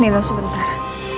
nih lo sebentar